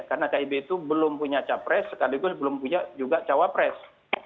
karena kib itu belum punya capres sekaligus belum punya juga cawapres